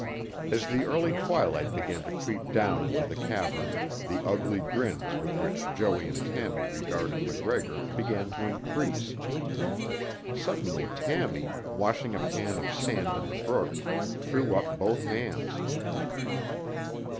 As the early twilight began to creep down into the cavern, the ugly grins with which Joey and Tammy regarded MacGregor began to increase. Suddenly Tammy, washing a pan of sand in the brook, threw up both hands.